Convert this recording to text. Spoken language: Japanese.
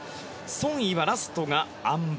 ソン・イはラストがあん馬。